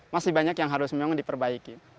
masih banyak yang harus memang diperbaiki